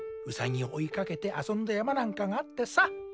うさぎを追いかけてあそんだ山なんかがあってさ。